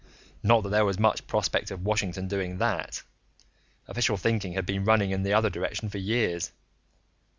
Not that there was much prospect of Washington's doing that. Official thinking had been running in the other direction for years.